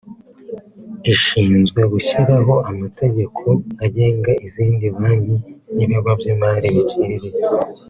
ishinzwe gushyiraho amategeko agenga izindi banki n’ibigo by’imari biciriritse